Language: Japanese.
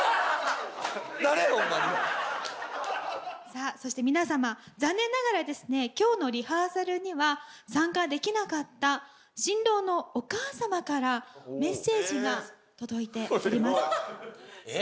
さあそして皆様残念ながらですね今日のリハーサルには参加できなかった新郎のお母様からメッセージが届いております。